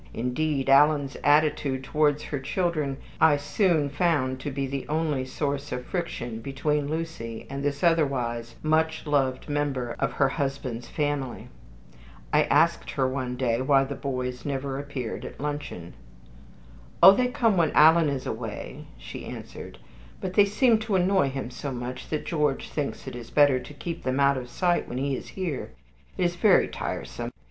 Indeed, Alan's attitude towards her children I soon found to be the only source of friction between Lucy and this otherwise much loved member of her husband's family. I asked her one day why the boys never appeared at luncheon. "Oh, they come when Alan is away," she answered; "but they seem to annoy him so much that George thinks it is better to keep them out of sight when he is here. It is very tiresome.